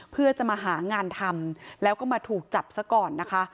เพื่อจะมาหางานทำแล้วก็มาถูกจับซะก่อนนะคะ